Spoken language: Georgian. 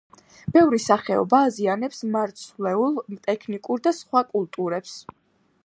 ბევრი სახეობა აზიანებს მარცვლეულ, ტექნიკურ და სხვა კულტურებს.